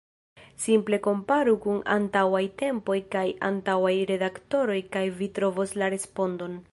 Simple komparu kun antauaj tempoj kaj antauaj redaktoroj kaj vi trovos la respondon.